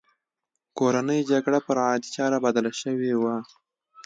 کورنۍ جګړه پر عادي چاره بدله شوې وه